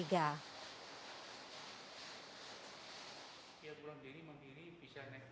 sementara itu atas adanya varian omikron